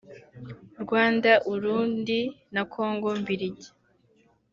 Rwanda-Urundi na Congo Mbiligi